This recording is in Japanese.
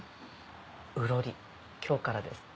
うろり今日からですって。